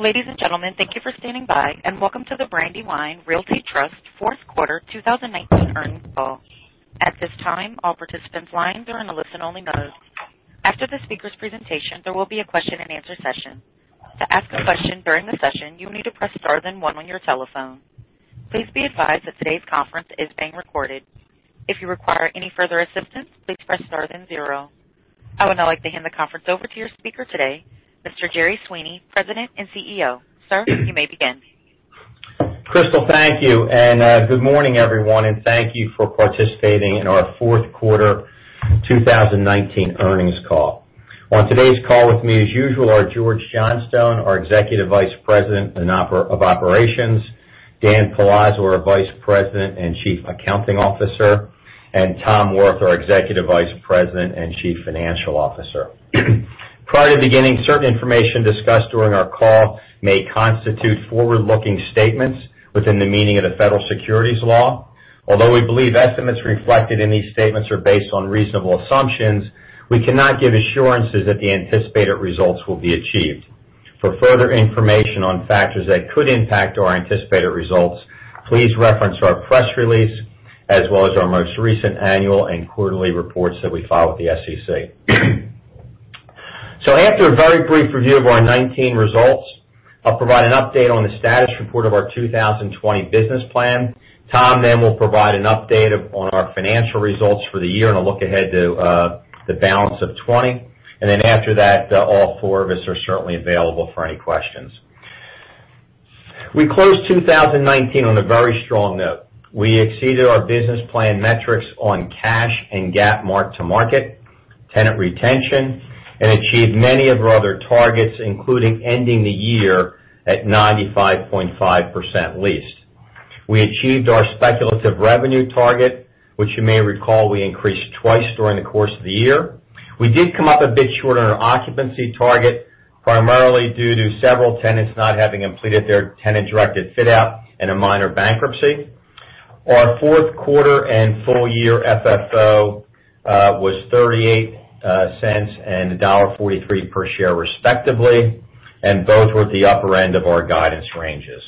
Ladies and gentlemen, thank you for standing by, and welcome to the Brandywine Realty Trust Fourth Quarter 2019 Earnings Call. At this time, all participants' lines are in a listen-only mode. After the speaker's presentation, there will be a question-and-answer session. To ask a question during the session, you will need to press star then one on your telephone. Please be advised that today's conference is being recorded. If you require any further assistance, please press star then zero. I would now like to hand the conference over to your speaker today, Mr. Jerry Sweeney, President and CEO. Sir, you may begin. Crystal, thank you, and good morning, everyone, and thank you for participating in our Fourth Quarter 2019 Earnings Call. On today's call with me, as usual, are George Johnstone, our Executive Vice President of Operations, Dan Palazzo, our Senior Vice President and Chief Accounting Officer, and Tom Wirth, our Executive Vice President and Chief Financial Officer. Prior to beginning, certain information discussed during our call may constitute forward-looking statements within the meaning of the Federal securities law. Although we believe estimates reflected in these statements are based on reasonable assumptions, we cannot give assurances that the anticipated results will be achieved. For further information on factors that could impact our anticipated results, please reference our press release as well as our most recent annual and quarterly reports that we file with the SEC. After a very brief review of our 2019 results, I'll provide an update on the status report of our 2020 business plan. Tom then will provide an update on our financial results for the year and a look ahead to the balance of 2020. After that, all four of us are certainly available for any questions. We closed 2019 on a very strong note. We exceeded our business plan metrics on cash and GAAP mark-to-market, tenant retention, and achieved many of our other targets, including ending the year at 95.5% leased. We achieved our speculative revenue target, which you may recall we increased twice during the course of the year. We did come up a bit short on our occupancy target, primarily due to several tenants not having completed their tenant-directed fit out and a minor bankruptcy. Our fourth quarter and full-year FFO was $0.38 and $1.43 per share, respectively. Both were at the upper end of our guidance ranges.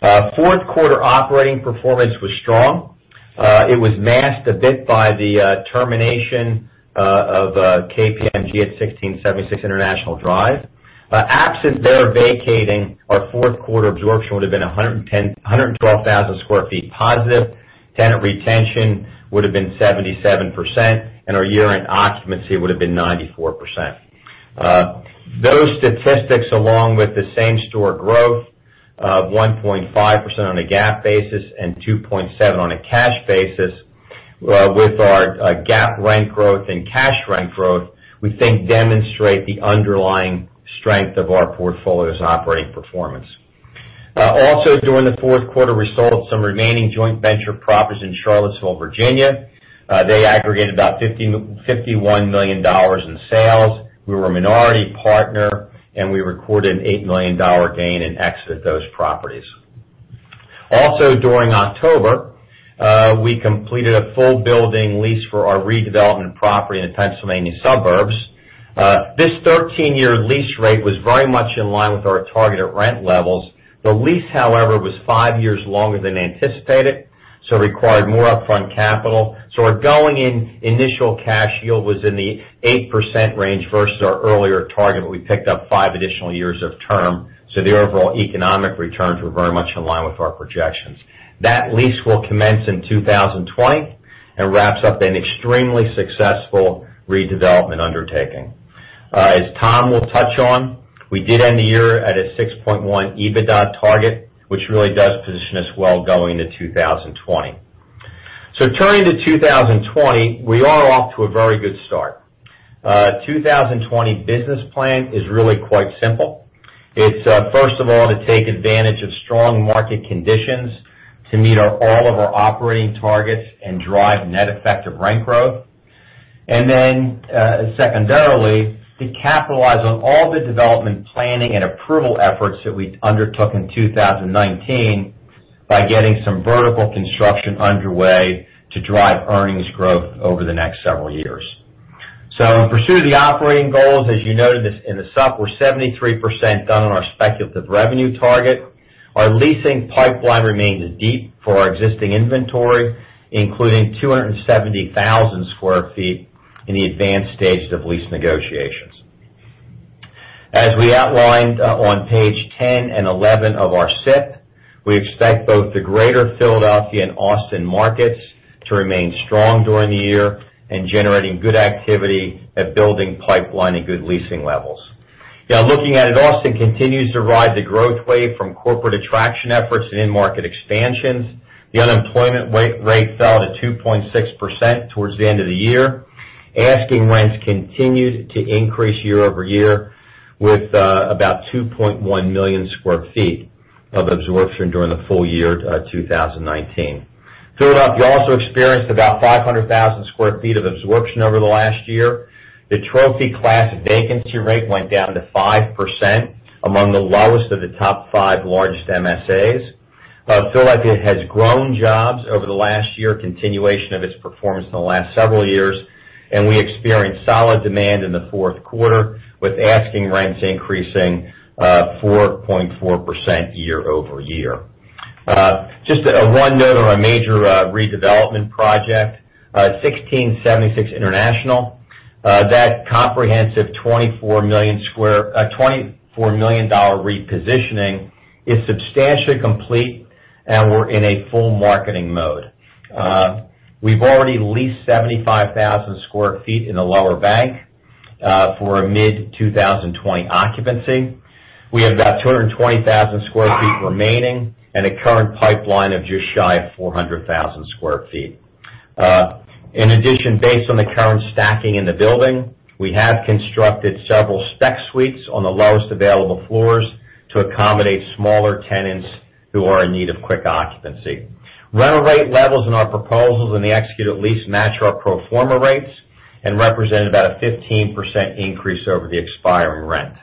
Fourth quarter operating performance was strong. It was masked a bit by the termination of KPMG at 1676 International Drive. Absent their vacating, our fourth quarter absorption would've been 112,000 sq ft positive, tenant retention would've been 77%, and our year-end occupancy would've been 94%. Those statistics, along with the same-store growth of 1.5% on a GAAP basis and 2.7% on a cash basis, with our GAAP rank growth and cash rank growth, we think demonstrate the underlying strength of our portfolio's operating performance. Also during the fourth quarter, we sold some remaining joint venture properties in Charlottesville, Virginia. They aggregated about $51 million in sales. We were a minority partner. We recorded an $8 million gain and exit those properties. During October, we completed a full building lease for our redevelopment property in the Pennsylvania suburbs. This 13-year lease rate was very much in line with our targeted rent levels. The lease, however, was five years longer than anticipated, required more upfront capital. Our going-in initial cash yield was in the 8% range versus our earlier target, but we picked up five additional years of term, so the overall economic returns were very much in line with our projections. That lease will commence in 2020 and wraps up an extremely successful redevelopment undertaking. As Tom will touch on, we did end the year at a 6.1 EBITDA target, which really does position us well going to 2020. Turning to 2020, we are off to a very good start. 2020 business plan is really quite simple. It's first of all to take advantage of strong market conditions to meet all of our operating targets and drive net effective rent growth. Secondarily, to capitalize on all the development planning and approval efforts that we undertook in 2019 by getting some vertical construction underway to drive earnings growth over the next several years. In pursuit of the operating goals, as you noted in the sup, we're 73% done on our speculative revenue target. Our leasing pipeline remains deep for our existing inventory, including 270,000 sq ft in the advanced stages of lease negotiations. As we outlined on page 10 and 11 of our SIP, we expect both the Greater Philadelphia and Austin markets to remain strong during the year in generating good activity at building pipeline and good leasing levels. Looking at it, Austin continues to ride the growth wave from corporate attraction efforts and in-market expansions. The unemployment rate fell to 2.6% towards the end of the year. Asking rents continued to increase year-over-year with about 2.1 million sq ft of absorption during the full-year 2019. Philadelphia also experienced about 500,000 sq ft of absorption over the last year. The trophy class vacancy rate went down to 5%, among the lowest of the top five largest MSAs. I feel like it has grown jobs over the last year, continuation of its performance in the last several years, and we experienced solid demand in the fourth quarter with asking rents increasing 4.4% year-over-year. Just a one note on a major redevelopment project, 1676 International. That comprehensive $24 million repositioning is substantially complete, and we're in a full marketing mode. We've already leased 75,000 sq ft in the lower bank for a mid 2020 occupancy. We have about 220,000 sq ft remaining and a current pipeline of just shy of 400,000 sq ft. In addition, based on the current stacking in the building, we have constructed several spec suites on the lowest available floors to accommodate smaller tenants who are in need of quick occupancy. Rental rate levels in our proposals and the executed lease match our pro forma rates and represent about a 15% increase over the expiring rent.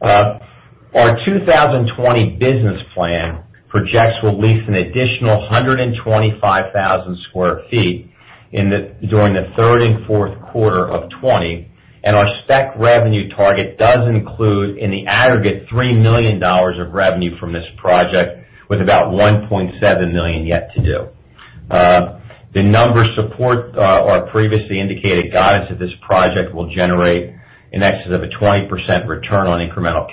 Our 2020 business plan projects we'll lease an additional 125,000 sq ft during the third and fourth quarter of 2020, and our spec revenue target does include, in the aggregate, $3 million of revenue from this project with about $1.7 million yet to do. The numbers support our previously indicated guidance that this project will generate in excess of a 20% return on incremental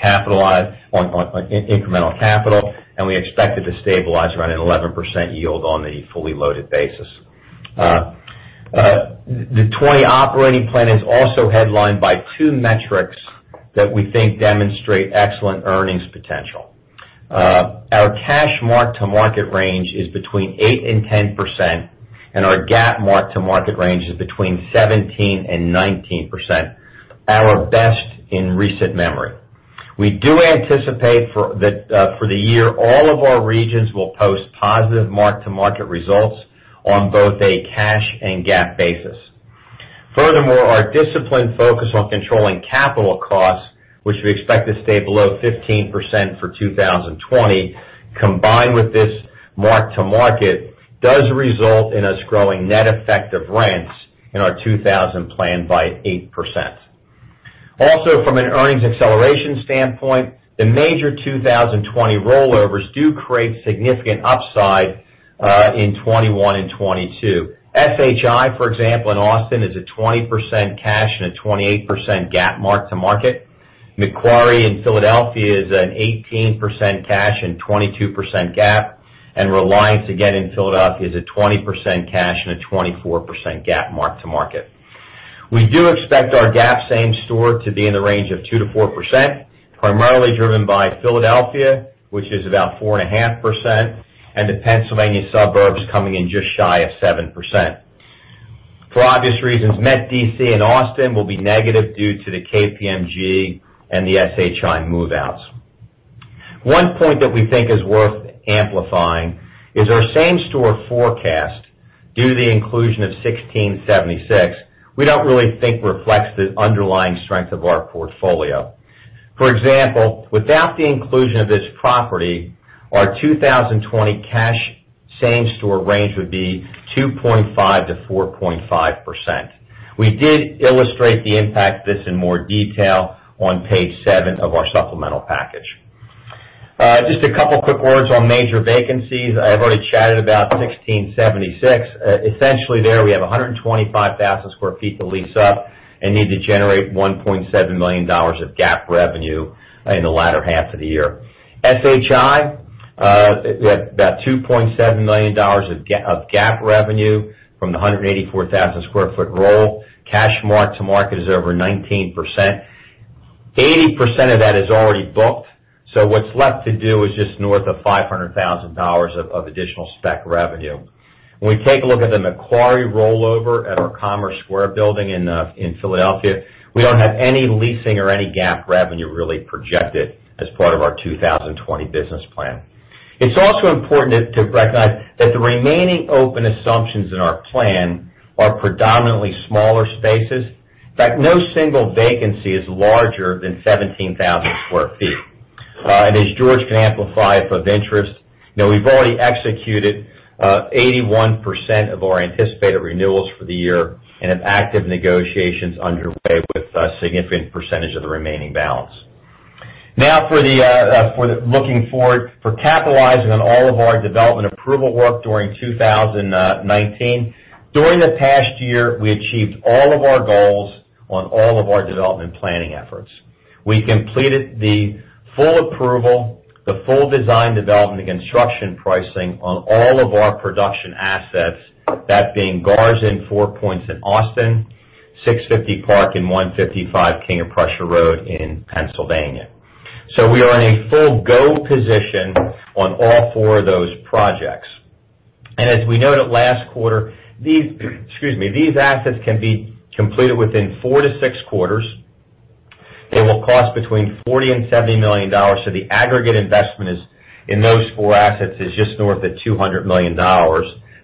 capital, and we expect it to stabilize around an 11% yield on a fully loaded basis. The 2020 operating plan is also headlined by two metrics that we think demonstrate excellent earnings potential. Our cash mark-to-market range is between 8% and 10%, and our GAAP mark-to-market range is between 17% and 19%, our best in recent memory. We do anticipate that for the year, all of our regions will post positive mark-to-market results on both a cash and GAAP basis. Furthermore, our disciplined focus on controlling capital costs, which we expect to stay below 15% for 2020, combined with this mark-to-market, does result in us growing net effective rents in our 2020 plan by 8%. From an earnings acceleration standpoint, the major 2020 rollovers do create significant upside in 2021 and 2022. SHI, for example, in Austin, is a 20% cash and a 28% GAAP mark-to-market. Macquarie in Philadelphia is an 18% cash and 22% GAAP, and Reliance, again in Philadelphia, is a 20% cash and a 24% GAAP mark-to-market. We do expect our GAAP same store to be in the range of 2%-4%, primarily driven by Philadelphia, which is about 4.5%, and the Pennsylvania suburbs coming in just shy of 7%. For obvious reasons, Met D.C. and Austin will be negative due to the KPMG and the SHI move-outs. One point that we think is worth amplifying is our same-store forecast, due to the inclusion of 1676, we don't really think reflects the underlying strength of our portfolio. For example, without the inclusion of this property, our 2020 cash same-store range would be 2.5%-4.5%. We did illustrate the impact of this in more detail on page seven of our Supplemental Information Package. Just a couple quick words on major vacancies. I've already chatted about 1676. Essentially there, we have 125,000 sq ft to lease up and need to generate $1.7 million of GAAP revenue in the latter half of the year. SHI, we have about $2.7 million of GAAP revenue from the 184,000 sq ft roll. Cash mark-to-market is over 19%. 80% of that is already booked, what's left to do is just north of $500,000 of additional spec revenue. When we take a look at the Macquarie rollover at our Commerce Square building in Philadelphia, we don't have any leasing or any GAAP revenue really projected as part of our 2020 business plan. It's also important to recognize that the remaining open assumptions in our plan are predominantly smaller spaces. In fact, no single vacancy is larger than 17,000 sq ft. As George can amplify for of interest, we've already executed 81% of our anticipated renewals for the year and have active negotiations underway with a significant percentage of the remaining balance. For looking forward, for capitalizing on all of our development approval work during 2019. During the past year, we achieved all of our goals on all of our development planning efforts. We completed the full approval, the full design development and construction pricing on all of our production assets, that being Garza, Four Points in Austin, 650 Park, and 155 King of Prussia Road in Pennsylvania. We are in a full go position on all four of those projects. As we noted last quarter, these assets can be completed within four to six quarters. They will cost between $40 million and $70 million. The aggregate investment in those four assets is just north of $200 million.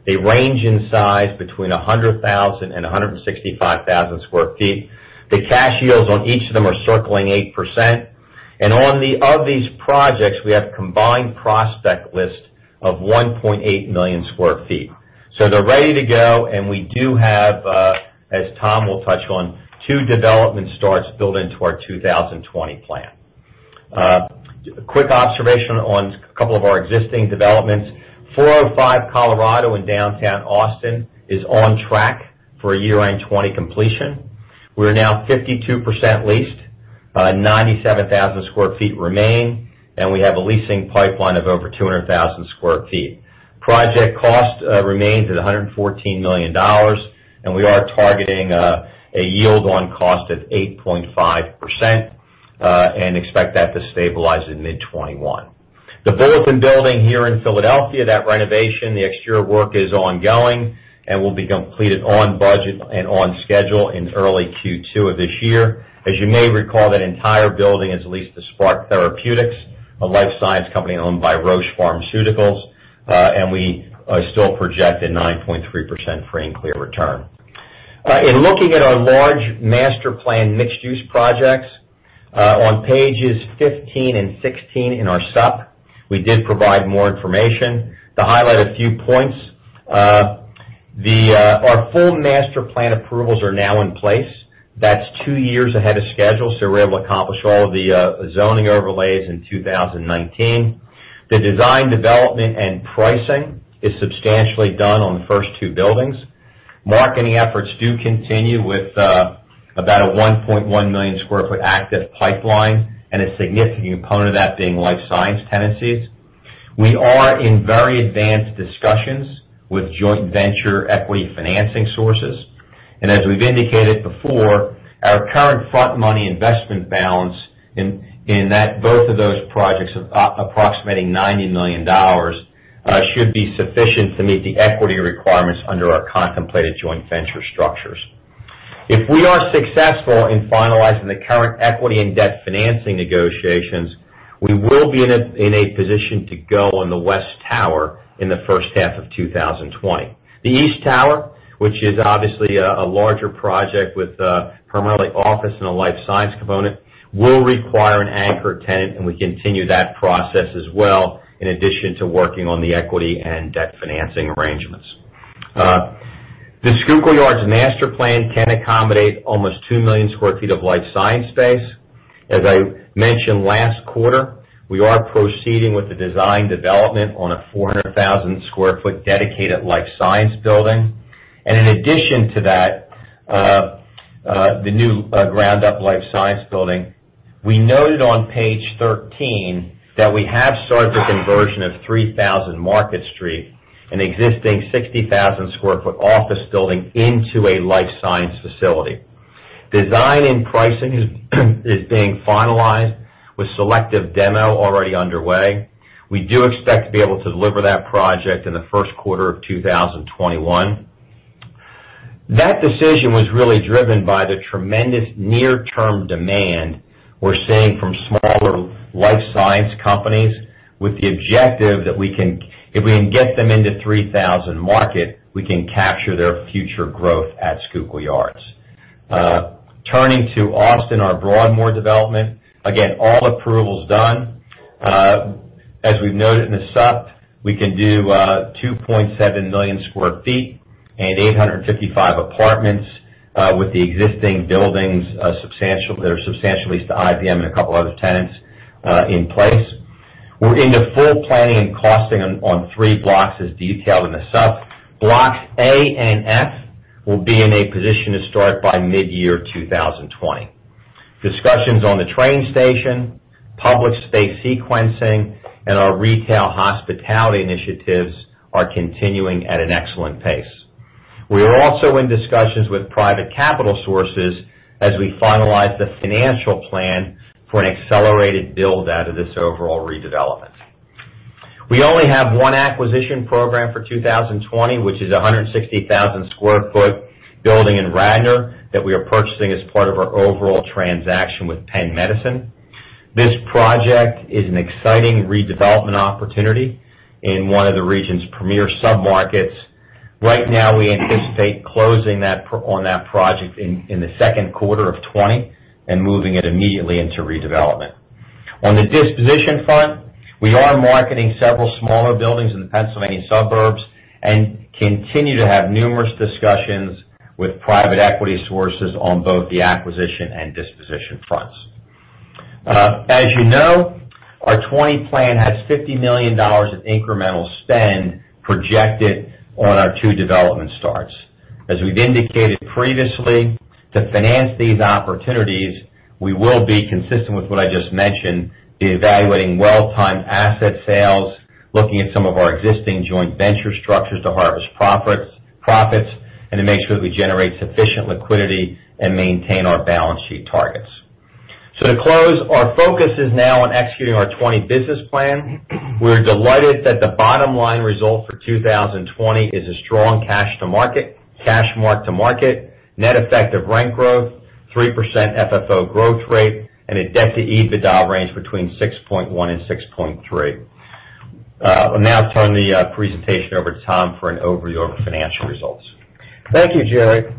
They range in size between 100,000 and 165,000 sq ft. the cash yields on each of them are circling 8%. Of these projects, we have a combined prospect list of 1.8 million sq ft. They're ready to go, and we do have, as Tom will touch on, two development starts built into our 2020 plan. A quick observation on a couple of our existing developments. 405 Colorado in downtown Austin is on track for a year-end 2020 completion. We're now 52% leased, 97,000 sq ft remain, and we have a leasing pipeline of over 200,000 sq ft. Project cost remains at $114 million, and we are targeting a yield on cost of 8.5%, and expect that to stabilize in mid 2021. The Bulletin Building here in Philadelphia, that renovation, the exterior work is ongoing and will be completed on budget and on schedule in early Q2 of this year. As you may recall, that entire building is leased to Spark Therapeutics, a life science company owned by Roche Pharmaceuticals, and we still project a 9.3% free and clear return. In looking at our large master plan mixed-use projects, on pages 15 and 16 in our supp, we did provide more information. To highlight a few points, our full master plan approvals are now in place. That's two years ahead of schedule, so we were able to accomplish all of the zoning overlays in 2019. The design, development, and pricing is substantially done on the first two buildings. Marketing efforts do continue with about a 1.1 million sq ft active pipeline, and a significant component of that being life science tenancies. We are in very advanced discussions with joint venture equity financing sources. As we've indicated before, our current front money investment balance in both of those projects approximating $90 million, should be sufficient to meet the equity requirements under our contemplated joint venture structures. If we are successful in finalizing the current equity and debt financing negotiations, we will be in a position to go on the west tower in the first half of 2020. The east tower, which is obviously a larger project with primarily office and a life science component, will require an anchor tenant, and we continue that process as well, in addition to working on the equity and debt financing arrangements. The Schuylkill Yards master plan can accommodate almost 2 million sq ft of life science space. As I mentioned last quarter, we are proceeding with the design development on a 400,000 sq ft dedicated life science building. In addition to that, the new ground-up life science building, we noted on page 13 that we have started the conversion of 3000 Market Street, an existing 60,000 sq ft office building into a life science facility. Design and pricing is being finalized with selective demo already underway. We do expect to be able to deliver that project in the first quarter of 2021. That decision was really driven by the tremendous near-term demand we're seeing from smaller life science companies with the objective that if we can get them into 3000 Market, we can capture their future growth at Schuylkill Yards. Turning to Austin, our Broadmoor development, again, all approvals done. As we've noted in the supp, we can do 2.7 million sq ft and 855 apartments with the existing buildings that are substantially leased to IBM and a couple other tenants in place. We're into full planning and costing on three blocks, as detailed in the supp. Blocks A and F will be in a position to start by mid-year 2020. Discussions on the train station, public space sequencing, and our retail hospitality initiatives are continuing at an excellent pace. We are also in discussions with private capital sources as we finalize the financial plan for an accelerated build-out of this overall redevelopment. We only have one acquisition program for 2020, which is 160,000 sq ft building in Radnor that we are purchasing as part of our overall transaction with Penn Medicine. This project is an exciting redevelopment opportunity in one of the region's premier submarkets. Right now, we anticipate closing on that project in the second quarter of 2020 and moving it immediately into redevelopment. On the disposition front, we are marketing several smaller buildings in the Pennsylvania suburbs and continue to have numerous discussions with private equity sources on both the acquisition and disposition fronts. As you know, our 2020 plan has $50 million of incremental spend projected on our two development starts. As we've indicated previously, to finance these opportunities, we will be consistent with what I just mentioned, be evaluating well-timed asset sales, looking at some of our existing joint venture structures to harvest profits, and to make sure that we generate sufficient liquidity and maintain our balance sheet targets. To close, our focus is now on executing our 2020 business plan. We're delighted that the bottom line result for 2020 is a strong cash-mark-to-market, net effective rent growth, 3% FFO growth rate, and a debt-to-EBITDA range between 6.1 and 6.3. I'll now turn the presentation over to Tom for an overview of financial results. Thank you, Jerry.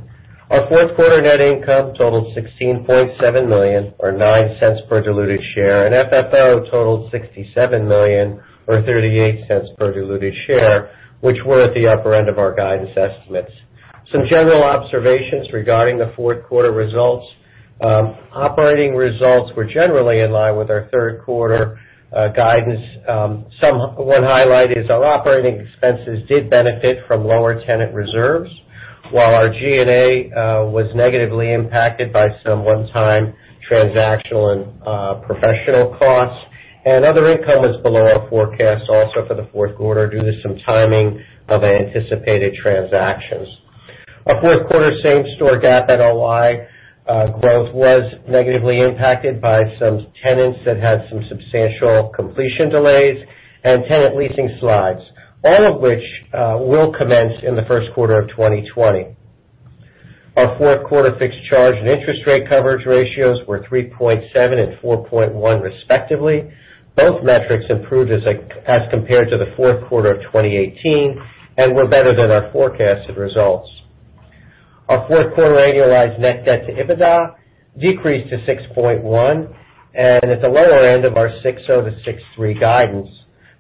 Our fourth quarter net income totaled $16.7 million, or $0.09 per diluted share, and FFO totaled $67 million, or $0.38 per diluted share, which were at the upper end of our guidance estimates. Some general observations regarding the fourth quarter results. Operating results were generally in line with our third quarter guidance. One highlight is our operating expenses did benefit from lower tenant reserves, while our G&A was negatively impacted by some one-time transactional and professional costs. Other income was below our forecast also for the fourth quarter, due to some timing of anticipated transactions. Our fourth quarter same-store GAAP NOI growth was negatively impacted by some tenants that had some substantial completion delays and tenant leasing slides, all of which will commence in the first quarter of 2020. Our fourth quarter fixed charge and interest rate coverage ratios were 3.7 and 4.1 respectively. Both metrics improved as compared to the fourth quarter of 2018, and were better than our forecasted results. Our fourth quarter annualized net debt to EBITDA decreased to 6.1, and at the lower end of our six over 6.3 guidance.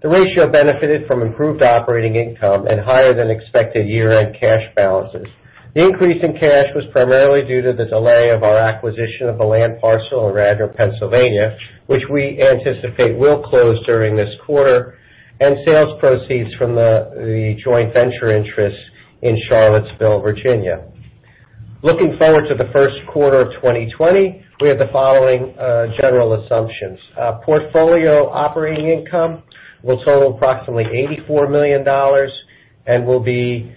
The ratio benefited from improved operating income and higher-than-expected year-end cash balances. The increase in cash was primarily due to the delay of our acquisition of the land parcel in Radnor, Pennsylvania, which we anticipate will close during this quarter, and sales proceeds from the joint venture interests in Charlottesville, Virginia. Looking forward to the first quarter of 2020, we have the following general assumptions. Portfolio operating income will total approximately $84 million and will be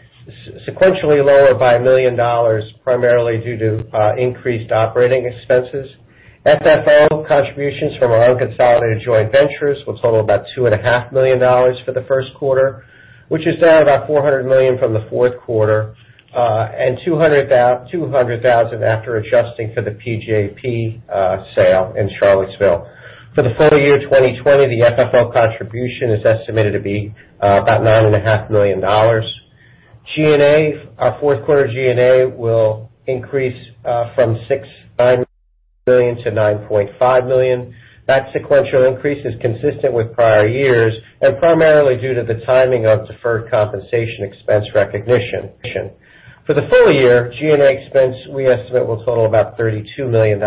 sequentially lower by $1 million, primarily due to increased operating expenses. FFO contributions from our unconsolidated joint ventures will total about $2.5 million for the first quarter, which is down about $400 million from the fourth quarter, and $200,000 after adjusting for the PJP sale in Charlottesville. For the full-year 2020, the FFO contribution is estimated to be about $9.5 million. G&A. Our fourth quarter G&A will increase from $6.9 million to $9.5 million. That sequential increase is consistent with prior years, and primarily due to the timing of deferred compensation expense recognition. For the full-year, G&A expense, we estimate, will total about $32 million.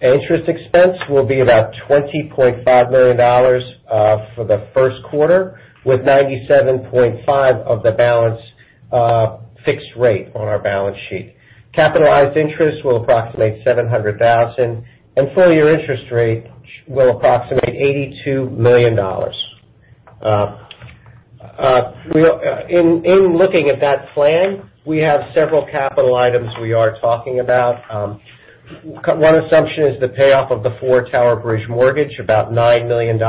Interest expense will be about $20.5 million for the first quarter, with 97.5% of the balance fixed rate on our balance sheet. Capitalized interest will approximate $700,000, and full-year interest rate will approximate $82 million. In looking at that plan, we have several capital items we are talking about. One assumption is the payoff of the Four Tower Bridge mortgage, about $9 million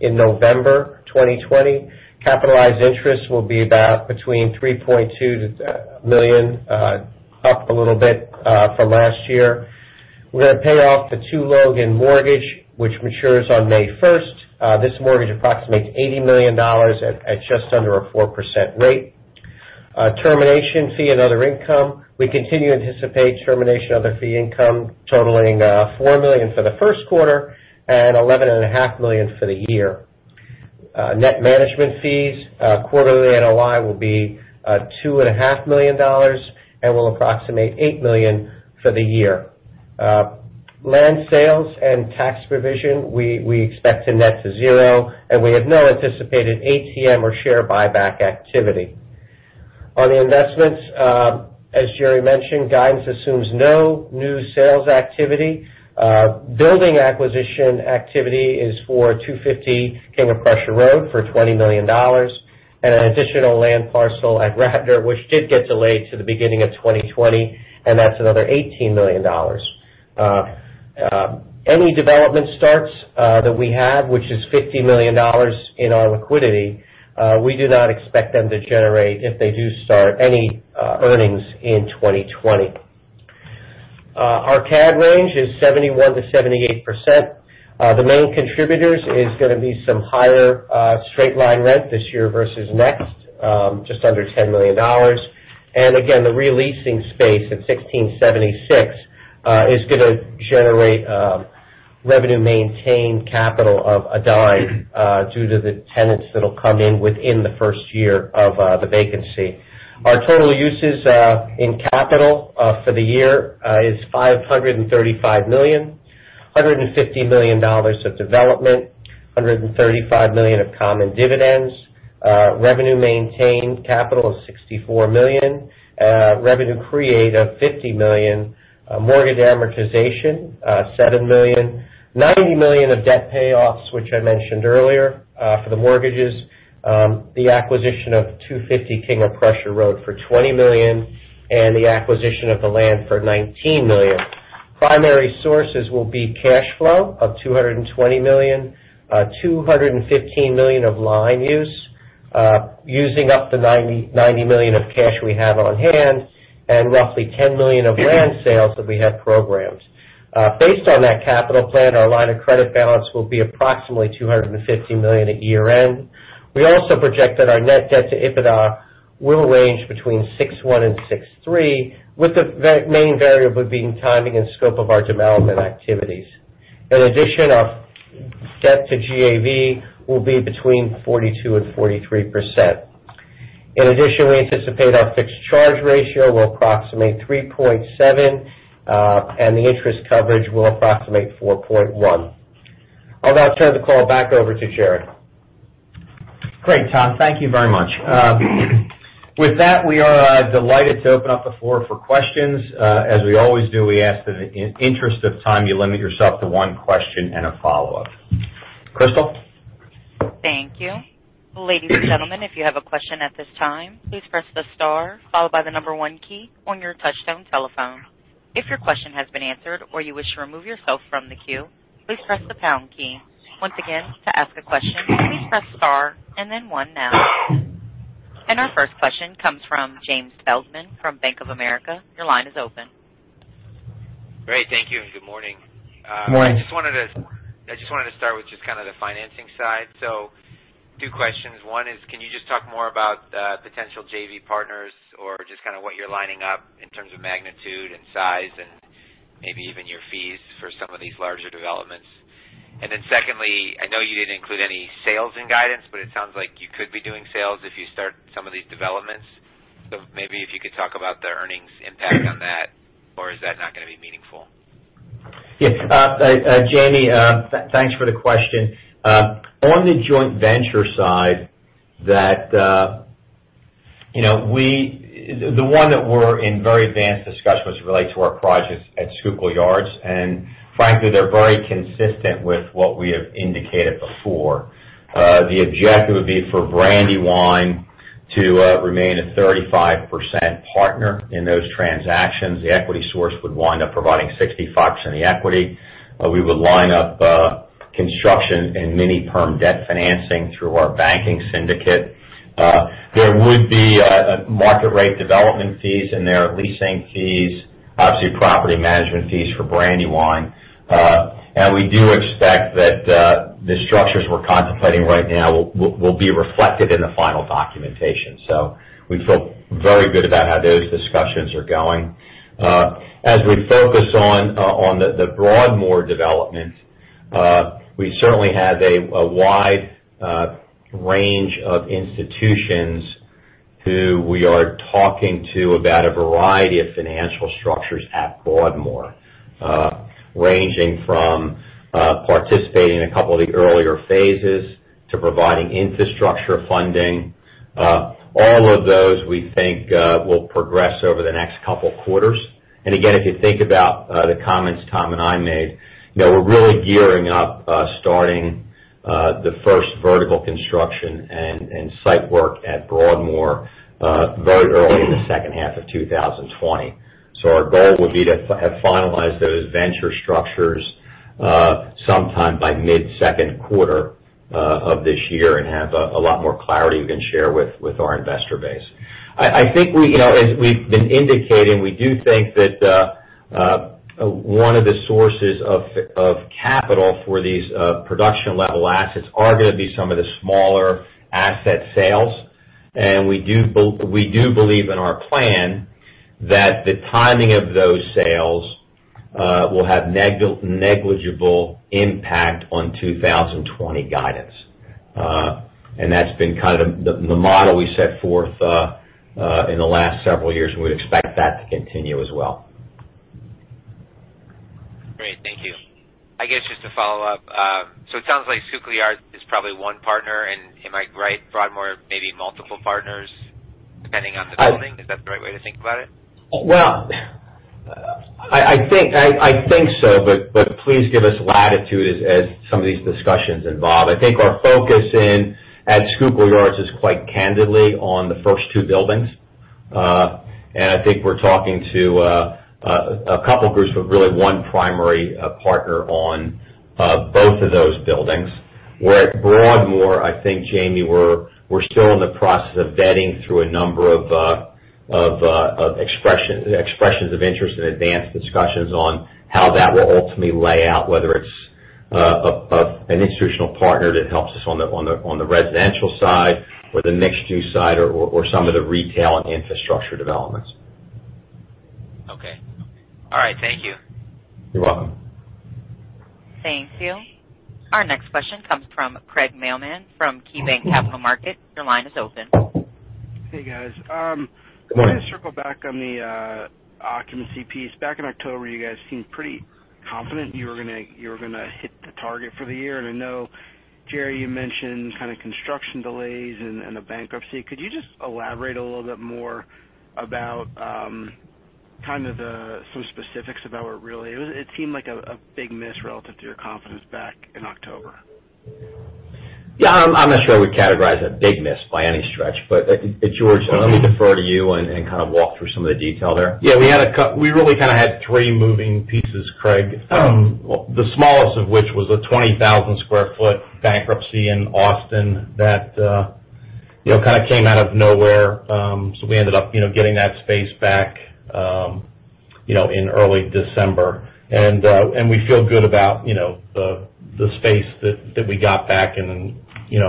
in November 2020. Capitalized interest will be about $3.2 million, up a little bit from last year. We're going to pay off the Two Logan mortgage, which matures on May 1st. This mortgage approximates $80 million at just under a 4% rate. Termination fee and other income, we continue to anticipate termination of the fee income totaling $4 million for the first quarter and $11.5 million for the year. Net management fees quarterly NOI will be $2.5 million and will approximate $8 million for the year. Land sales and tax provision, we expect to net to zero. We have no anticipated ATM or share buyback activity. On the investments, as Jerry mentioned, guidance assumes no new sales activity. Building acquisition activity is for 250 King of Prussia Road for $20 million, an additional land parcel at Radnor, which did get delayed to the beginning of 2020, and that's another $18 million. Any development starts that we have, which is $50 million in our liquidity, we do not expect them to generate, if they do start, any earnings in 2020. Our CAD range is 71%-78%. The main contributors is going to be some higher straight-line rent this year versus next, just under $10 million. Again, the re-leasing space at 1676 is going to generate revenue maintained capital of $0.10 due to the tenants that'll come in within the first year of the vacancy. Our total uses in capital for the year is $535 million, $150 million of development, $135 million of common dividends, revenue-maintained capital of $64 million, revenue creative, $50 million, mortgage amortization, $7 million, $90 million of debt payoffs, which I mentioned earlier for the mortgages, the acquisition of 250 King of Prussia Road for $20 million, and the acquisition of the land for $19 million. Primary sources will be cash flow of $220 million, $215 million of line use, using up the $90 million of cash we have on hand and roughly $10 million of land sales that we have programmed. Based on that capital plan, our line of credit balance will be approximately $250 million at year-end. We also project that our net debt to EBITDA will range between 6.1 and 6.3, with the main variable being timing and scope of our development activities. Our debt to GAV will be between 42% and 43%. We anticipate our fixed charge ratio will approximate 3.7, and the interest coverage will approximate 4.1. I'll now turn the call back over to Jerry. Great, Tom. Thank you very much. With that, we are delighted to open up the floor for questions. As we always do, we ask that in interest of time, you limit yourself to one question and a follow-up. Crystal? Thank you. Ladies and gentlemen, if you have a question at this time, please press the star followed by the number one key on your touch-tone telephone. If your question has been answered or you wish to remove yourself from the queue, please press the star key. Once again, to ask a question, please press star and then one now. Our first question comes from Jamie Feldman from Bank of America. Your line is open. Great. Thank you and good morning. Good morning. I just wanted to start with just kind of the financing side. Two questions. One is can you just talk more about potential JV partners or just kind of what you're lining up in terms of magnitude and size and maybe even your fees for some of these larger developments? Secondly, I know you didn't include any sales in guidance, but it sounds like you could be doing sales if you start some of these developments. Maybe if you could talk about the earnings impact on that, or is that not going to be meaningful? Yes. Jamie, thanks for the question. On the joint venture side, the one that we're in very advanced discussions relates to our projects at Schuylkill Yards, frankly, they're very consistent with what we have indicated before. The objective would be for Brandywine to remain a 35% partner in those transactions. The equity source would wind up providing 65% of the equity. We would line up construction and mini-perm debt financing through our banking syndicate. There would be market rate development fees in there, leasing fees, obviously property management fees for Brandywine. We do expect that the structures we're contemplating right now will be reflected in the final documentation. We feel very good about how those discussions are going. As we focus on the Broadmoor development, we certainly have a wide range of institutions who we are talking to about a variety of financial structures at Broadmoor, ranging from participating in a couple of the earlier phases to providing infrastructure funding. All of those we think will progress over the next couple quarters. Again, if you think about the comments Tom and I made, we're really gearing up starting the first vertical construction and site work at Broadmoor very early in the second half of 2020. Our goal would be to have finalized those venture structures sometime by mid-second quarter of this year and have a lot more clarity we can share with our investor base. I think as we've been indicating, we do think that one of the sources of capital for these production-level assets are going to be some of the smaller asset sales. We do believe in our plan that the timing of those sales will have negligible impact on 2020 guidance. That's been kind of the model we set forth in the last several years, and we expect that to continue as well. Great. Thank you. I guess just to follow up, it sounds like Schuylkill Yards is probably one partner and, am I right, Broadmoor maybe multiple partners depending on the building? Is that the right way to think about it? Well, I think so, but please give us latitude as some of these discussions evolve. I think our focus at Schuylkill Yards is quite candidly on the first two buildings. I think we're talking to a couple groups, but really one primary partner on both of those buildings. At Broadmoor, I think, Jamie, we're still in the process of vetting through a number of expressions of interest in advanced discussions on how that will ultimately lay out, whether it's an institutional partner that helps us on the residential side or the mixed-use side or some of the retail and infrastructure developments. Okay. All right. Thank you. You're welcome. Thank you. Our next question comes from Craig Mailman from KeyBanc Capital Markets. Your line is open. Hey, guys. Morning. Can I circle back on the occupancy piece? Back in October, you guys seemed pretty confident you were going to hit the target for the year. I know, Jerry, you mentioned kind of construction delays and the bankruptcy. Could you just elaborate a little bit more about kind of some specifics? It seemed like a big miss relative to your confidence back in October. Yeah. I'm not sure I would categorize it big miss by any stretch. George, why don't we defer to you and kind of walk through some of the detail there? Yeah. We really kind of had three moving pieces, Craig. The smallest of which was a 20,000 sq ft bankruptcy in Austin that kind of came out of nowhere. We ended up getting that space back in early December. We feel good about the space that we got back and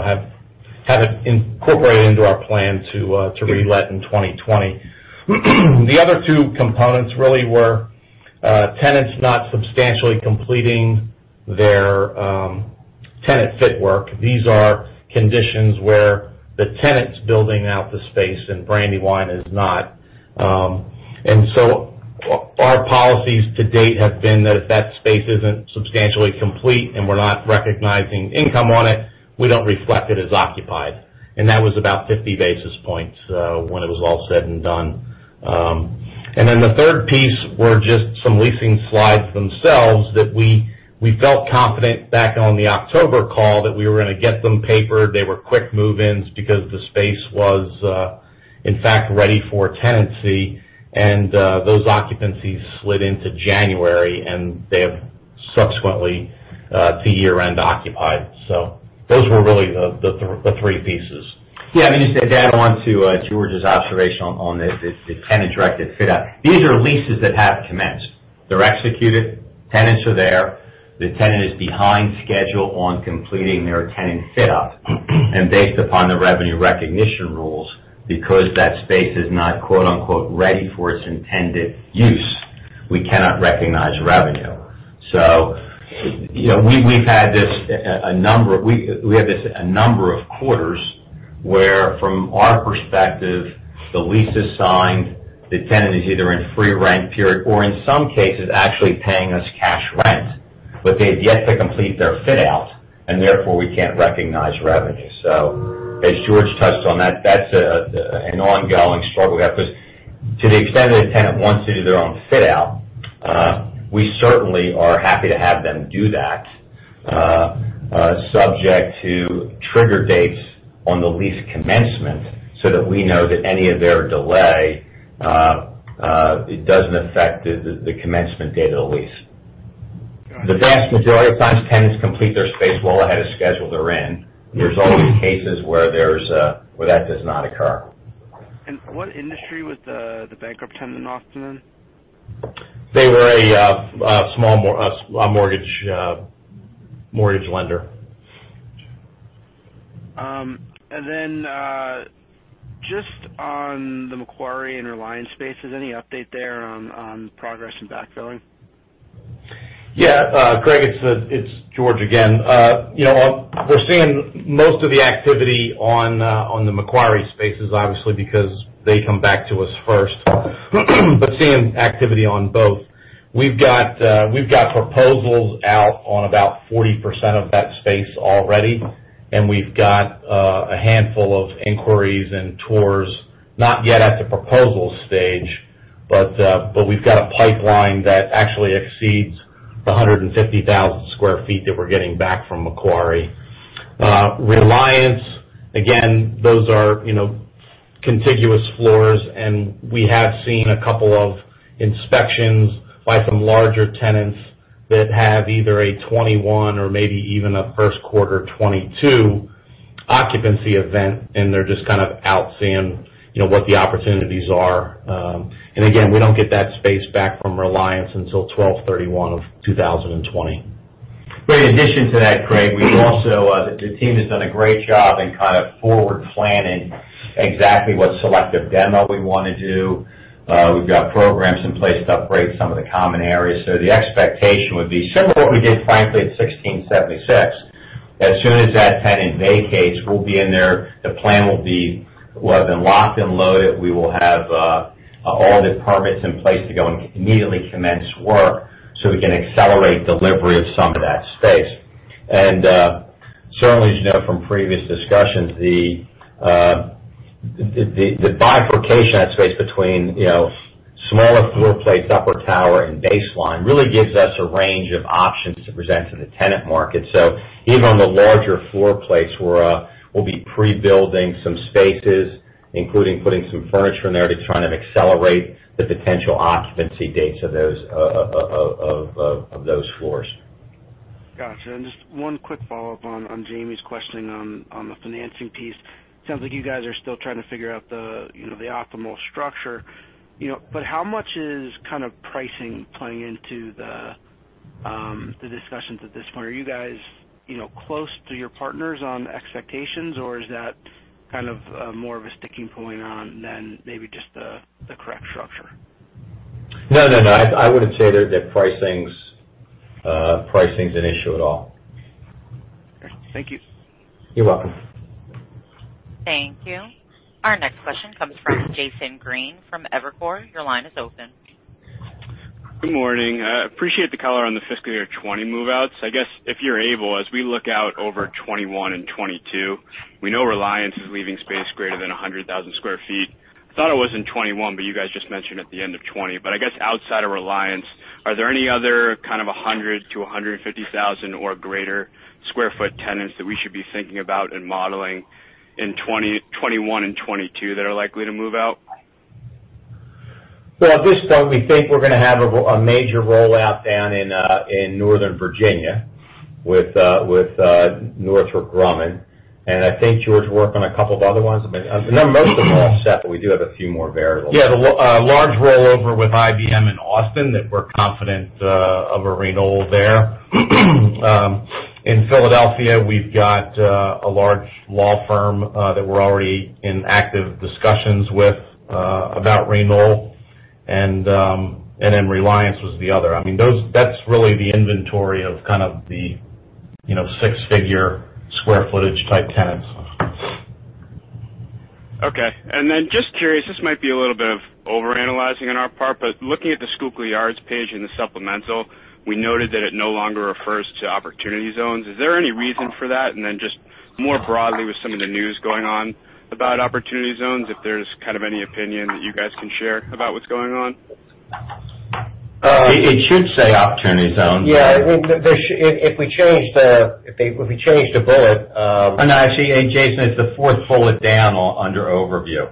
have it incorporated into our plan to re-let in 2020. The other two components really were tenants not substantially completing their tenant fit work. These are conditions where the tenant's building out the space, and Brandywine is not. Our policies to date have been that if that space isn't substantially complete and we're not recognizing income on it, we don't reflect it as occupied. That was about 50 basis points when it was all said and done. The third piece were just some leasing slides themselves that we felt confident back on the October call that we were going to get them papered. They were quick move-ins because the space was, in fact, ready for tenancy, and those occupancies slid into January, and they have subsequently, to year-end, occupied. Those were really the three pieces. Yeah. Just to add on to George's observation on the tenant-directed fit out. These are leases that have commenced. They're executed. Tenants are there. The tenant is behind schedule on completing their tenant fit out. Based upon the revenue recognition rules, because that space is not "ready for its intended use," we cannot recognize revenue. We have this a number of quarters where, from our perspective, the lease is signed, the tenant is either in free rent period or in some cases actually paying us cash rent, but they've yet to complete their fit out, and therefore we can't recognize revenue. As George touched on that's an ongoing struggle we have because to the extent that a tenant wants to do their own fit out, we certainly are happy to have them do that, subject to trigger dates on the lease commencement, so that we know that any of their delay, it doesn't affect the commencement date of the lease. The vast majority of times, tenants complete their space well ahead of schedule they're in. There's always cases where that does not occur. What industry was the bankrupt tenant Austin in? They were a small mortgage lender. Just on the Macquarie and Reliance spaces, any update there on progress in backfilling? Yeah. Craig, it's George again. We're seeing most of the activity on the Macquarie spaces, obviously, because they come back to us first. Seeing activity on both. We've got proposals out on about 40% of that space already, and we've got a handful of inquiries and tours, not yet at the proposal stage, but we've got a pipeline that actually exceeds the 150,000 sq ft that we're getting back from Macquarie. Reliance, again, those are contiguous floors, and we have seen a couple of inspections by some larger tenants that have either a 2021 or maybe even a first quarter 2022 occupancy event, and they're just kind of out seeing what the opportunities are. Again, we don't get that space back from Reliance until 12/31/2020. Great. In addition to that, Craig, the team has done a great job in kind of forward planning exactly what selective demo we want to do. We've got programs in place to upgrade some of the common areas. The expectation would be similar to what we did, frankly, at 1676. As soon as that tenant vacates, we'll be in there. The plan will have been locked and loaded. We will have all the permits in place to go and immediately commence work so we can accelerate delivery of some of that space. Certainly, as you know from previous discussions, the bifurcation of that space between smaller floor plates, upper tower, and baseline really gives us a range of options to present to the tenant market. Even on the larger floor plates, we'll be pre-building some spaces, including putting some furniture in there to try and accelerate the potential occupancy dates of those floors. Got you. Just one quick follow-up on Jamie's questioning on the financing piece. Sounds like you guys are still trying to figure out the optimal structure. How much is kind of pricing playing into the discussions at this point? Are you guys close to your partners on expectations, or is that kind of more of a sticking point on than maybe just the correct structure? No, I wouldn't say that pricing's an issue at all. Thank you. You're welcome. Thank you. Our next question comes from Jason Green from Evercore. Your line is open. Good morning. Appreciate the color on the FY 2020 move-outs. I guess if you're able, as we look out over 2021 and 2022, we know Reliance is leaving space greater than 100,000 sq ft. I thought it was in 2021, but you guys just mentioned at the end of 2020. I guess outside of Reliance, are there any other kind of 100,000-150,000 or greater sq ft tenants that we should be thinking about and modeling in 2021 and 2022 that are likely to move out? Well, at this point, we think we're going to have a major rollout down in Northern Virginia with Northrop Grumman, and I think you were to work on a couple of other ones. Most of them are set, but we do have a few more variables. Yeah. The large rollover with IBM in Austin that we're confident of a renewal there. In Philadelphia, we've got a large law firm that we're already in active discussions with about renewal, and then Reliance was the other. That's really the inventory of kind of the six-figure sq ftage type tenants. Okay. Just curious, this might be a little bit of overanalyzing on our part, but looking at the Schuylkill Yards page in the supplemental, we noted that it no longer refers to opportunity zones. Is there any reason for that? Just more broadly, with some of the news going on about opportunity zones, if there's kind of any opinion that you guys can share about what's going on? It should say opportunity zones. Yeah. If we change the bullet No, actually, Jason, it's the fourth bullet down under overview.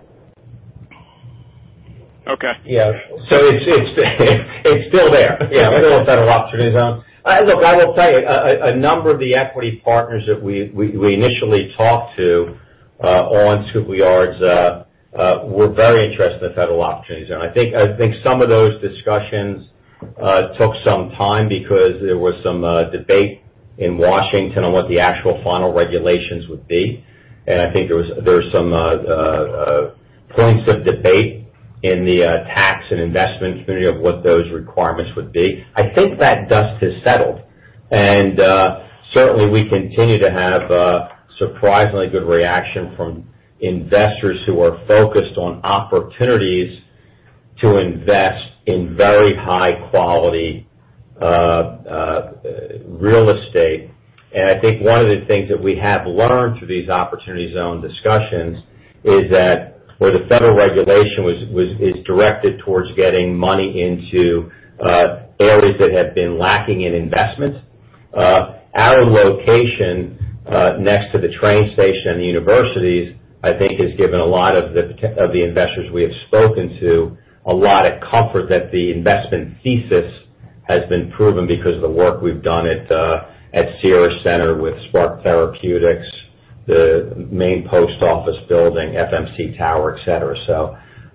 Okay. Yeah. It's still there. Yeah. Still a federal opportunity zone. Look, I will tell you, a number of the equity partners that we initially talked to on Schuylkill Yards were very interested in federal opportunity zone. I think some of those discussions took some time because there was some debate in Washington on what the actual final regulations would be. I think there's some points of debate in the tax and investment community of what those requirements would be. I think that dust has settled. Certainly, we continue to have surprisingly good reaction from investors who are focused on opportunities to invest in very high-quality real estate. I think one of the things that we have learned through these opportunity zone discussions is that where the federal regulation is directed towards getting money into areas that have been lacking in investment. Our location next to the train station and the universities, I think, has given a lot of the investors we have spoken to a lot of comfort that the investment thesis has been proven because of the work we've done at Cira Centre with Spark Therapeutics, the main post office building, FMC Tower, et cetera.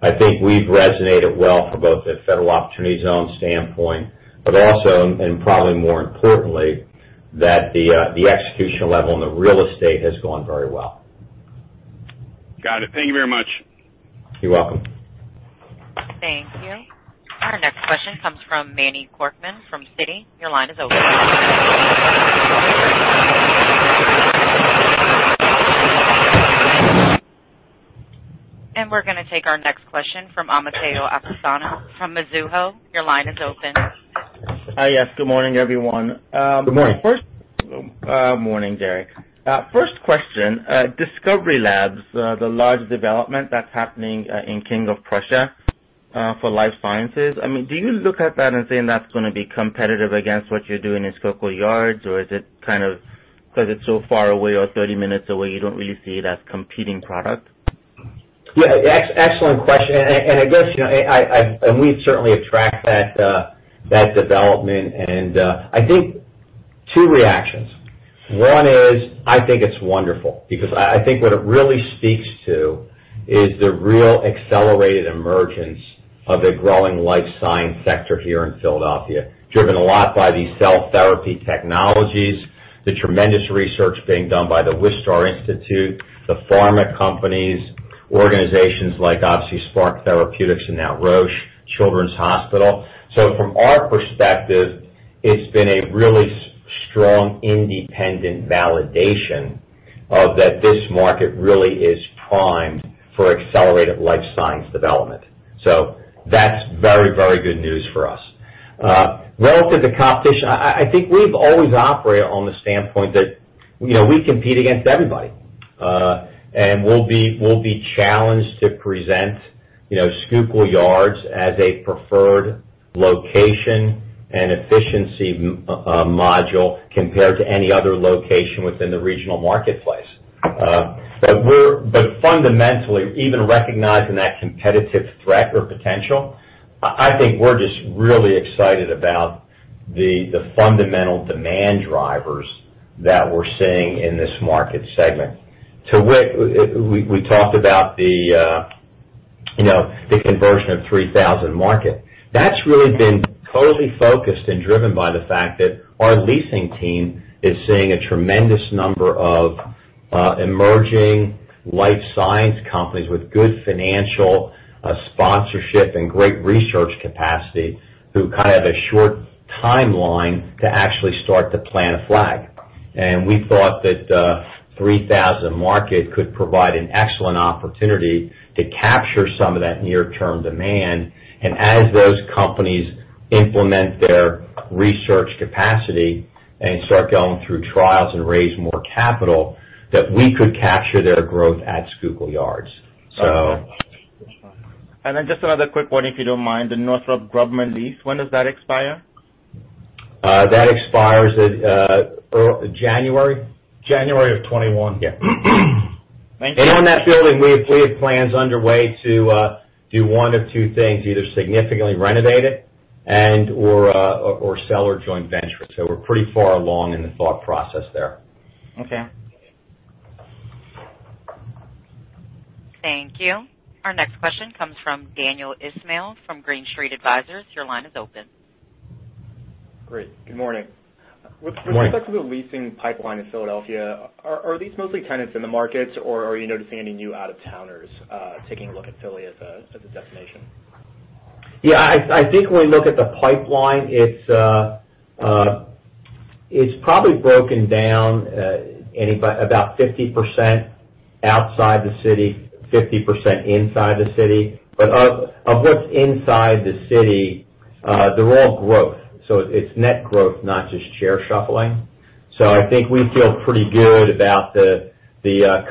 I think we've resonated well from both the federal opportunity zone standpoint, but also, and probably more importantly, that the executional level and the real estate has gone very well. Got it. Thank you very much. You're welcome. Thank you. Our next question comes from Manny Korchman from Citi. Your line is open. We're going to take our next question from Omotayo Okusanya from Mizuho. Your line is open. Yes. Good morning, everyone. Good morning. Morning, Jerry. First question, Discovery Labs, the large development that's happening in King of Prussia for life sciences. Do you look at that and saying that's going to be competitive against what you're doing in Schuylkill Yards? Is it kind of because it's so far away or 30 minutes away, you don't really see it as competing product? Yeah. Excellent question. We've certainly tracked that development, and I think two reactions. One is, I think it's wonderful because I think what it really speaks to is the real accelerated emergence of a growing life science sector here in Philadelphia, driven a lot by these cell therapy technologies, the tremendous research being done by The Wistar Institute, the pharma companies, organizations like obviously Spark Therapeutics and now Roche Children's Hospital. From our perspective, it's been a really strong independent validation of that this market really is primed for accelerated life science development. That's very good news for us. Relative to competition, I think we've always operated on the standpoint that we compete against everybody. We'll be challenged to present Schuylkill Yards as a preferred location and efficiency module compared to any other location within the regional marketplace. Fundamentally, even recognizing that competitive threat or potential, I think we're just really excited about the fundamental demand drivers that we're seeing in this market segment. To Wick, we talked about the conversion of 3000 Market. That's really been totally focused and driven by the fact that our leasing team is seeing a tremendous number of emerging life science companies with good financial sponsorship and great research capacity who kind of have a short timeline to actually start to plant a flag. We thought that 3000 Market could provide an excellent opportunity to capture some of that near-term demand, and as those companies implement their research capacity and start going through trials and raise more capital, that we could capture their growth at Schuylkill Yards. Then just another quick one, if you don't mind, the Northrop Grumman lease, when does that expire? That expires in January? January of 2021. Yeah. Thank you. On that building, we have plans underway to do one of two things, either significantly renovate it and/or sell or joint venture. We're pretty far along in the thought process there. Okay. Thank you. Our next question comes from Daniel Ismail from Green Street Advisors. Your line is open. Great. Good morning. Good morning. With respect to the leasing pipeline in Philadelphia, are these mostly tenants in the markets, or are you noticing any new out-of-towners taking a look at Philly as a destination? Yeah, I think when we look at the pipeline, it's probably broken down about 50% outside the city, 50% inside the city. Of what's inside the city, they're all growth. It's net growth, not just share shuffling. I think we feel pretty good about the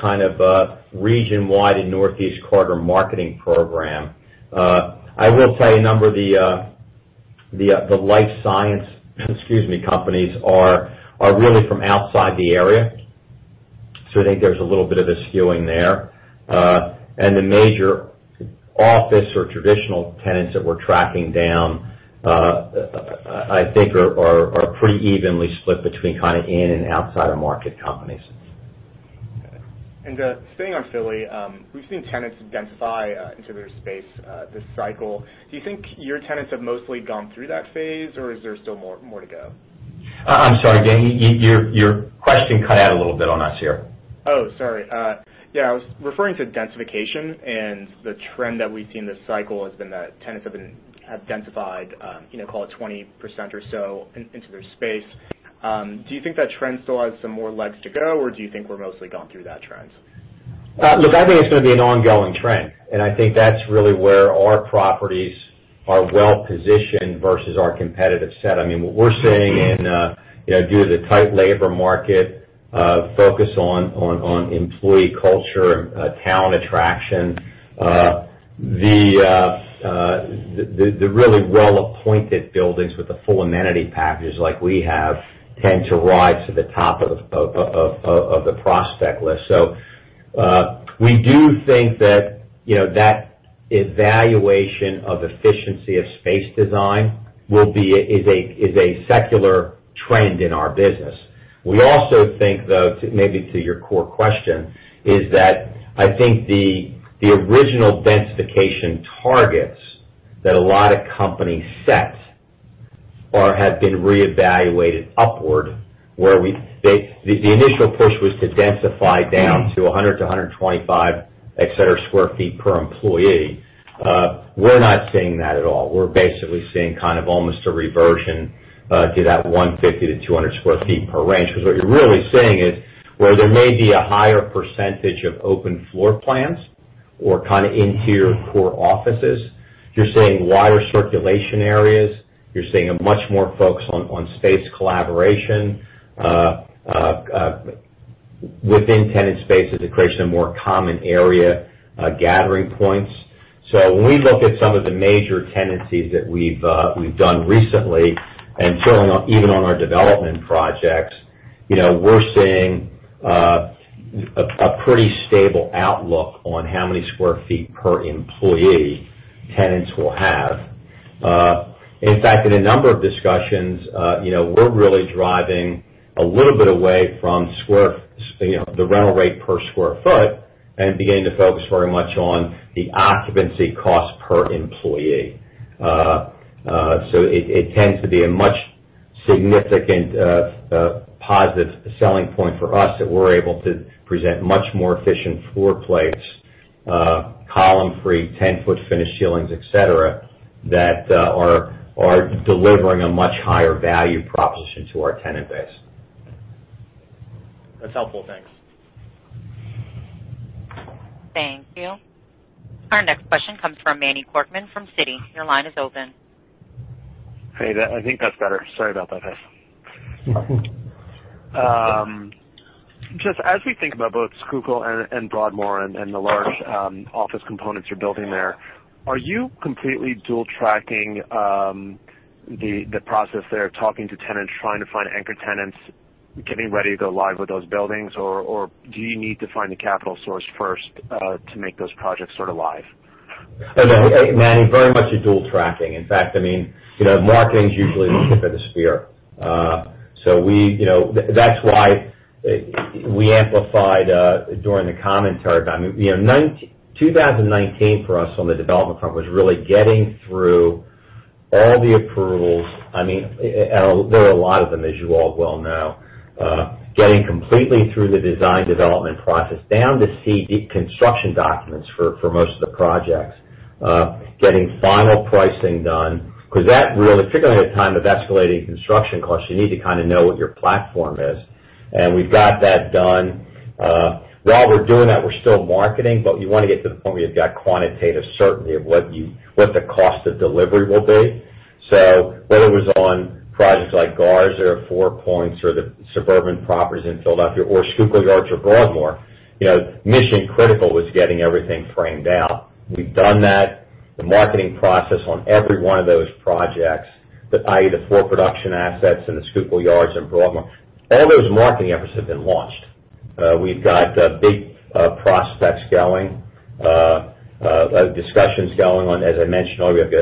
kind of region-wide and Northeast Corridor marketing program. I will tell you, a number of the life science, excuse me, companies are really from outside the area. I think there's a little bit of a skewing there. The major office or traditional tenants that we're tracking down, I think are pretty evenly split between kind of in and outside of market companies. Okay. Staying on Philly, we've seen tenants densify into their space this cycle. Do you think your tenants have mostly gone through that phase, or is there still more to go? I'm sorry, Dan, your question cut out a little bit on us here. Oh, sorry. Yeah, I was referring to densification, and the trend that we've seen this cycle has been that tenants have densified call it 20% or so into their space. Do you think that trend still has some more legs to go, or do you think we're mostly gone through that trend? Look, I think it's going to be an ongoing trend. I think that's really where our properties are well-positioned versus our competitive set. What we're seeing due to the tight labor market, focus on employee culture and talent attraction, the really well-appointed buildings with the full amenity package like we have, tend to rise to the top of the prospect list. We do think that evaluation of efficiency of space design is a secular trend in our business. We also think, though, maybe to your core question, is that I think the original densification targets that a lot of companies set have been reevaluated upward, where the initial push was to densify down to 100-125, et cetera, sq ft per employee. We're not seeing that at all. We're basically seeing kind of almost a reversion to that 150-200 sq ft per range. What you're really seeing is, where there may be a higher % of open floor plans or kind of interior core offices, you're seeing wider circulation areas. You're seeing a much more focus on space collaboration within tenant spaces, the creation of more common area gathering points. When we look at some of the major tenancies that we've done recently, and even on our development projects, we're seeing a pretty stable outlook on how many sq ft per employee tenants will have. In fact, in a number of discussions, we're really driving a little bit away from the rental rate per sq ft and beginning to focus very much on the occupancy cost per employee. It tends to be a much significant positive selling point for us that we're able to present much more efficient floor plates, column-free, 10-foot finished ceilings, et cetera, that are delivering a much higher value proposition to our tenant base. That's helpful. Thanks. Thank you. Our next question comes from Manny Korchman from Citi. Your line is open. Hey. I think that's better. Sorry about that guys. Just as we think about both Schuylkill and Broadmoor and the large office components you're building there, are you completely dual tracking the process there of talking to tenants, trying to find anchor tenants, getting ready to go live with those buildings, or do you need to find a capital source first, to make those projects sort of live? No, Manny, very much a dual tracking. Marketing's usually the tip of the spear. That's why we amplified during the commentary about 2019 for us on the development front, was really getting through all the approvals. There were a lot of them, as you all well know. Getting completely through the design development process, down to CD construction documents for most of the projects. Getting final pricing done. Particularly at a time of escalating construction costs, you need to kind of know what your platform is. We've got that done. While we're doing that, we're still marketing, but we want to get to the point where you've got quantitative certainty of what the cost of delivery will be. Whether it was on projects like Garza or Four Points or the Suburban properties in Philadelphia or Schuylkill Yards or Broadmoor, mission critical was getting everything framed out. We've done that. The marketing process on every one of those projects, i.e., the four production assets and the Schuylkill Yards in Broadmoor, all those marketing efforts have been launched. We've got big prospects going, discussions going on. As I mentioned, we have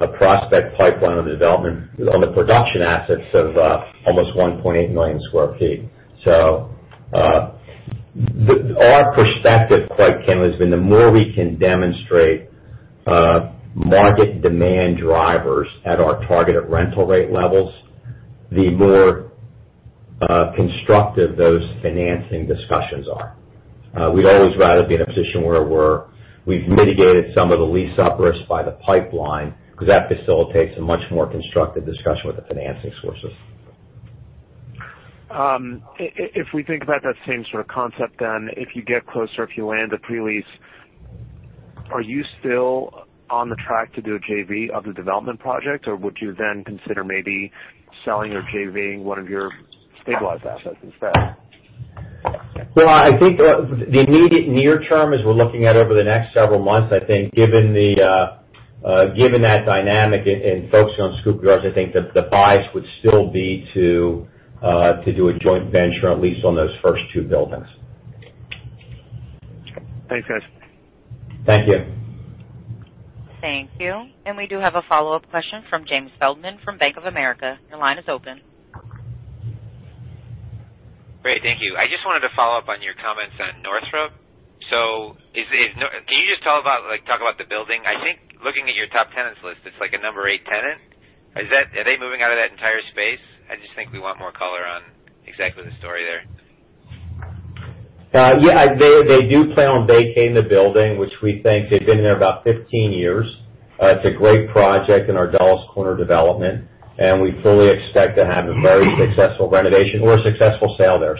a prospect pipeline under development on the production assets of almost 1.8 million sq ft. Our perspective, quite candidly, has been the more we can demonstrate market demand drivers at our targeted rental rate levels, the more constructive those financing discussions are. We'd always rather be in a position where we've mitigated some of the lease-up risk by the pipeline, because that facilitates a much more constructive discussion with the financing sources. If we think about that same sort of concept, then if you get closer, if you land a pre-lease, are you still on the track to do a JV of the development project? Would you then consider maybe selling or JV-ing one of your stabilized assets instead? Well, I think the immediate near term, as we're looking at over the next several months, I think given that dynamic and focusing on Schuylkill Yards, I think the bias would still be to do a joint venture, at least on those first two buildings. Thanks, guys. Thank you. Thank you. We do have a follow-up question from Jamie Feldman from Bank of America. Your line is open. Great. Thank you. I just wanted to follow up on your comments on Northrop. Can you just talk about the building? I think looking at your top tenants list, it's like a number eight tenant. Are they moving out of that entire space? I just think we want more color on exactly the story there. Yeah, they do plan on vacating the building, which we think they've been there about 15 years. It's a great project in our Dulles Corner development, and we fully expect to have a very successful renovation or a successful sale there.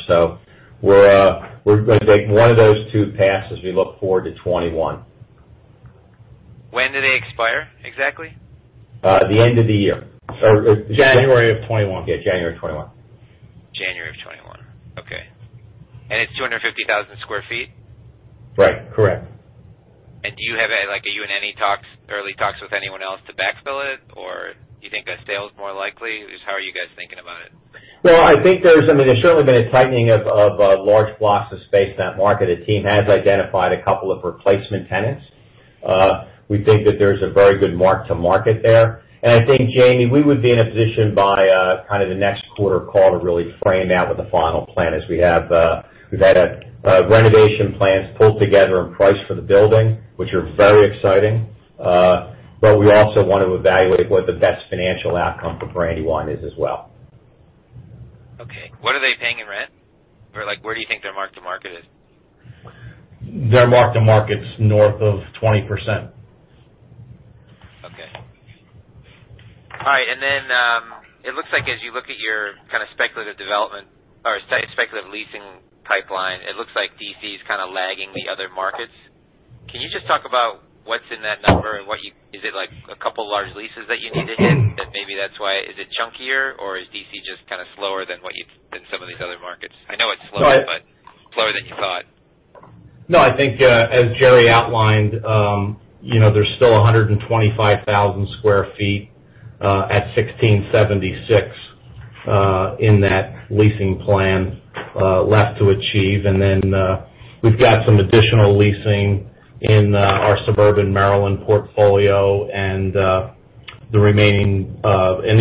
We're going to take one of those two paths as we look forward to 2021. When do they expire exactly? The end of the year. January of 2021. Yeah, January of 2021. January of 2021. Okay. It's 250,000 sq ft? Right. Correct. Are you in any early talks with anyone else to backfill it, or do you think a sale is more likely? Just how are you guys thinking about it? Well, I think there's certainly been a tightening of large blocks of space in that market. A team has identified a couple of replacement tenants. We think that there's a very good mark to market there. I think, Jamie, we would be in a position by kind of the next quarter call to really frame out what the final plan is. We've had renovation plans pulled together and priced for the building, which are very exciting. We also want to evaluate what the best financial outcome for Brandywine is as well. Okay. What are they paying in rent? Where do you think their mark to market is? Their mark to market's north of 20%. Okay. All right. It looks like as you look at your kind of speculative development or speculative leasing pipeline, it looks like D.C. is kind of lagging the other markets. Can you just talk about what's in that number? Is it like a couple large leases that you need to hit, that maybe that's why? Is it chunkier, or is D.C. just kind of slower than some of these other markets? I know it's slower, but slower than you thought. No, I think as Jerry outlined, there's still 125,000 sq ft at 1676 in that leasing plan left to achieve. We've got some additional leasing in our suburban Maryland portfolio and in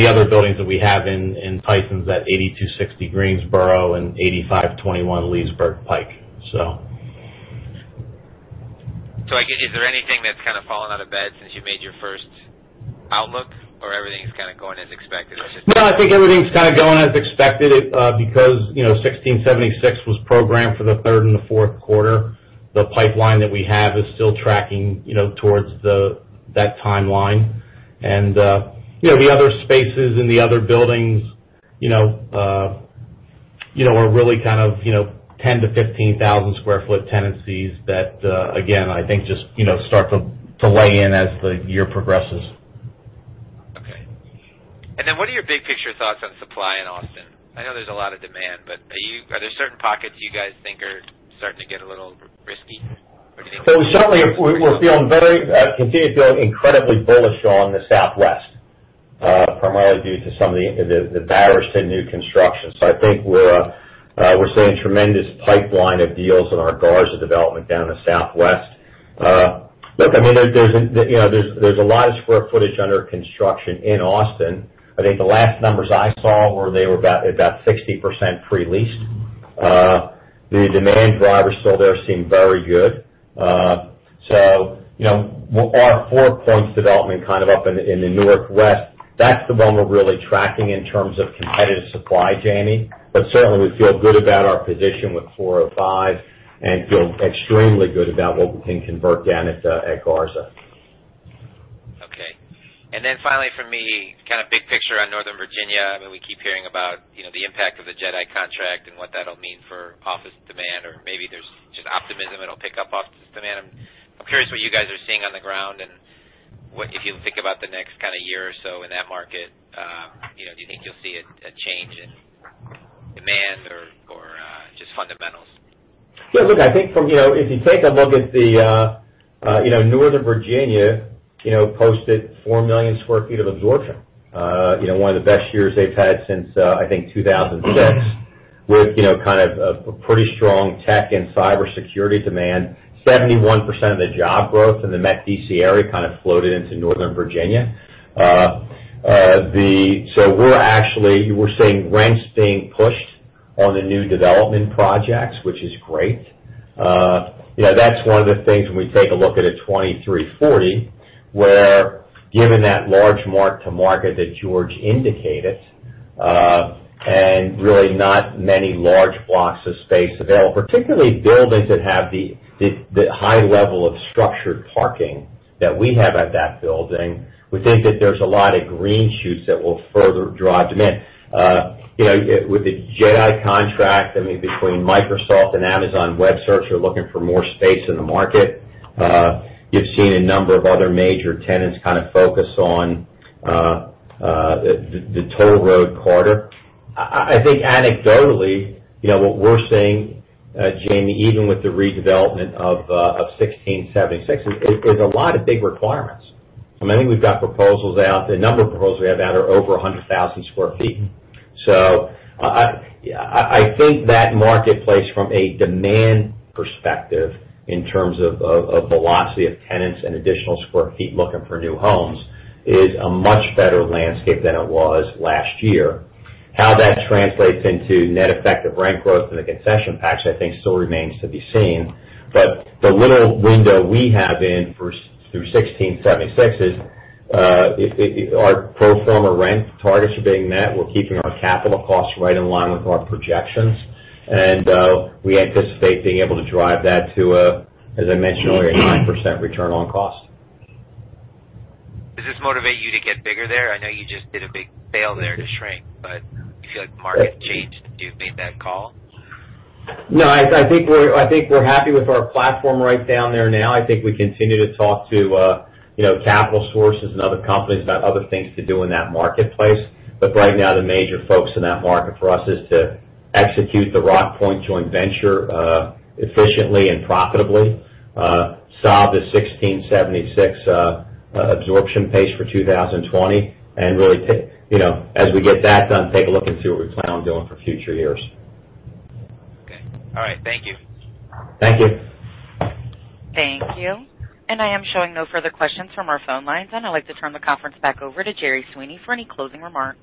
the other buildings that we have in Tysons at 8260 Greensboro and 8521 Leesburg Pike. I guess, is there anything that's kind of fallen out of bed since you made your first outlook, or everything's kind of going as expected? No, I think everything's kind of going as expected because 1676 was programmed for the third and the fourth quarter. The pipeline that we have is still tracking towards that timeline. The other spaces in the other buildings, are really kind of 10,000 sq ft-15,000 sq ft tenancies that, again, I think just start to weigh in as the year progresses. Okay. What are your big-picture thoughts on supply in Austin? I know there's a lot of demand, but are there certain pockets you guys think are starting to get a little risky? Certainly, we continue to feel incredibly bullish on the Southwest, primarily due to some of the barriers to new construction. I think we're seeing a tremendous pipeline of deals in our Garza development down in the southwest. Look, I mean, there's a lot of sq ftage under construction in Austin. I think the last numbers I saw were they were about 60% pre-leased. The demand drivers still there seem very good. Our Four Points development kind of up in the northwest, that's the one we're really tracking in terms of competitive supply, Jamie. Certainly, we feel good about our position with 405 and feel extremely good about what we can convert down at Garza. Okay. Finally from me, kind of big picture on Northern Virginia. I mean, we keep hearing about the impact of the JEDI contract and what that'll mean for office demand, or maybe there's just optimism it'll pick up office demand. I'm curious what you guys are seeing on the ground, and if you think about the next kind of year or so in that market, do you think you'll see a change in demand or its fundamentals. Yeah, look, I think if you take a look at Northern Virginia posted 4 million sq ft of absorption. One of the best years they've had since, I think 2006, with kind of a pretty strong tech and cybersecurity demand. 71% of the job growth in the Met D.C. area kind of floated into Northern Virginia. We're actually, we're seeing rents being pushed on the new development projects, which is great. That's one of the things when we take a look at a 2340, where given that large mark to market that George indicated, and really not many large blocks of space available, particularly buildings that have the high level of structured parking that we have at that building. We think that there's a lot of green shoots that will further drive demand. With the JEDI contract, I mean, between Microsoft and Amazon Web Services are looking for more space in the market. You've seen a number of other major tenants kind of focus on the Toll Road corridor. I think anecdotally, what we're seeing, Jamie, even with the redevelopment of 1676, is there's a lot of big requirements. I mean, I think we've got proposals out. The number of proposals we have out are over 100,000 sq ft. I think that marketplace from a demand perspective in terms of velocity of tenants and additional sq ft looking for new homes is a much better landscape than it was last year. How that translates into net effective rent growth and the concession packages, I think still remains to be seen. The little window we have in through 1676 is, our pro forma rent targets are being met. We're keeping our capital costs right in line with our projections, and we anticipate being able to drive that to a, as I mentioned earlier, a 9% return on cost. Does this motivate you to get bigger there? I know you just did a big sale there to shrink, but do you feel like the market's changed since you've made that call? No, I think we're happy with our platform right down there now. I think we continue to talk to capital sources and other companies about other things to do in that marketplace. Right now, the major focus in that market for us is to execute the Rockpoint joint venture efficiently and profitably, solve the 1,676 absorption pace for 2020, and really, as we get that done, take a look and see what we plan on doing for future years. Okay. All right. Thank you. Thank you. Thank you. I am showing no further questions from our phone lines, and I'd like to turn the conference back over to Jerry Sweeney for any closing remarks.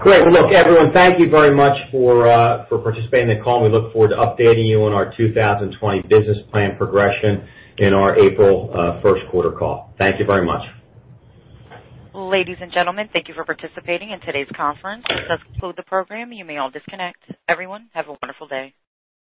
Great. Well, look, everyone, thank you very much for participating in the call. We look forward to updating you on our 2020 business plan progression in our April first quarter call. Thank you very much. Ladies and gentlemen, thank you for participating in today's conference. This does conclude the program. You may all disconnect. Everyone, have a wonderful day.